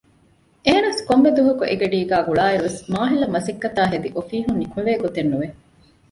އެހެނަސް ކޮންމެ ދުވަހަކު އެގަޑީގައި ގުޅާއިރުވެސް މާޙިލަށް މަސައްކަތާއި ހެދި އޮފީހުން ނިކުމެވޭގޮތެއް ނުވެ